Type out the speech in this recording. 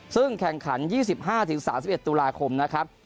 ซึ่งแข่งขัน๒๕๓๑ตุลาคมนะครับ